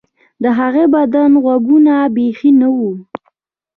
د هغه د بدن غوږونه بیخي نه وو